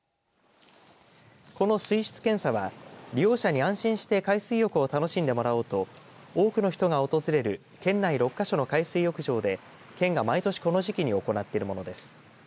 この水質検査は利用者に安心して海水浴を楽しんでもらおうと多くの人が訪れる県内６か所の海水浴場で県が毎年この時期に行っているものです。